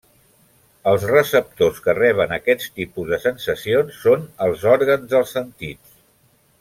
Els receptors que reben aquests tipus de sensacions són els òrgans dels sentits.